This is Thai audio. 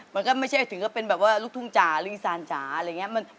มันก็ไม่ใช่ถึงก็เป็นแบบว่าลูกทุ่งจ๋าหรืออีสานจ๋าอะไรอย่างนี้